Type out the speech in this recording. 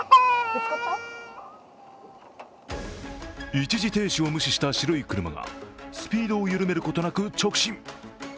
一時停止を無視した白い車がスピードを緩めることなく直進。